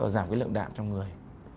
giảm cái lượng đạm trong người